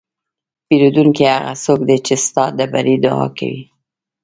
پیرودونکی هغه څوک دی چې ستا د بری دعا کوي.